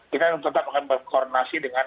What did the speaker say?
kita tetap akan berkoordinasi dengan